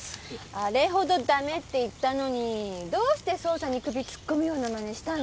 あれほどダメって言ったのにどうして捜査に首を突っ込むような真似したの？